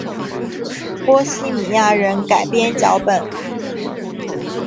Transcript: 波希米亚人改编脚本。